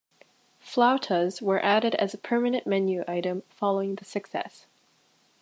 Flautas were added as a permanent menu item following the success.